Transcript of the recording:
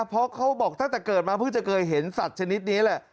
เพราะเขาบอกตั้งแต่เกิดมาเพิ่งจะเคยเห็นสัตว์ชนิดนี้แหละ